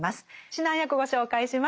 指南役ご紹介します。